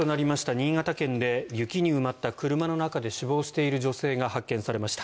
新潟県で雪に埋まった車の中で死亡している女性が発見されました。